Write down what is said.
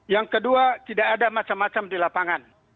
yang kedua tidak ada macam macam di lapangan